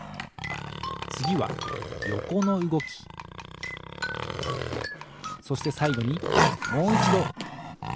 つぎはよこのうごきそしてさいごにもういちどたてのうごき。